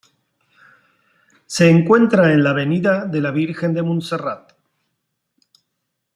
Se encuentra en la avenida de la Virgen de Montserrat.